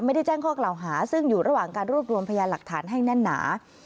แจ้งข้อกล่าวหาซึ่งอยู่ระหว่างการรวบรวมพยานหลักฐานให้แน่นหนา